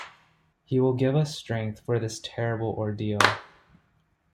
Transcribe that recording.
He will give us strength for this terrible ordeal.